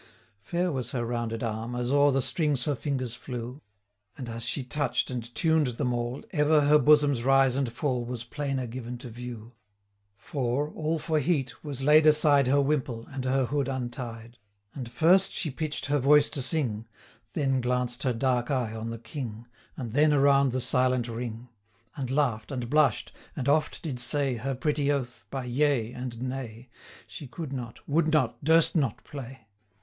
295 Fair was her rounded arm, as o'er The strings her fingers flew; And as she touch'd and tuned them all, Ever her bosom's rise and fall Was plainer given to view; 300 For, all for heat, was laid aside Her wimple, and her hood untied. And first she pitch'd her voice to sing, Then glanced her dark eye on the King, And then around the silent ring; 305 And laugh'd, and blush'd, and oft did say Her pretty oath, by Yea, and Nay, She could not, would not, durst not play!